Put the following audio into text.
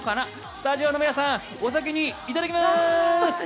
スタジオの皆さんお先にいただきます！